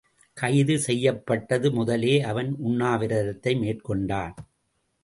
கைது செய்யப்பட்டது முதலே அவன் உண்ணாவிரதத்தை மேற்கொண்டான்.